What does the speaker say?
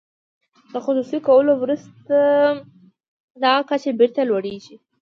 له خصوصي کولو وروسته دغه کچه بیرته لوړیږي.